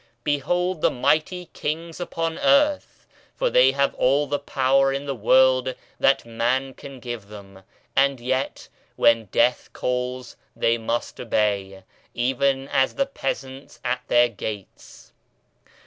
Behold the mighty kings upon earth, for they have all the power in the world that man can give them, and yet when Death calls they must obey, even as the peasants at their gates.